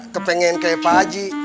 kepengen kayak pak ji